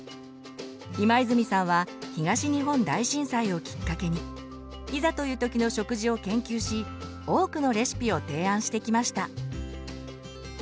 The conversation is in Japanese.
今泉さんは東日本大震災をきっかけにいざという時の食事を研究し多くのレシピを提案してきました。